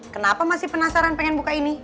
kenapa masih penasaran pengen buka ini